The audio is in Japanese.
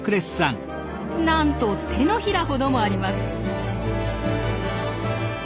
なんと手のひらほどもあります。